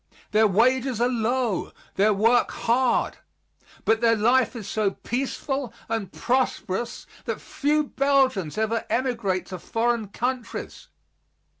Their wages are low, their work hard, but their life is so peaceful and prosperous that few Belgians ever emigrate to foreign countries.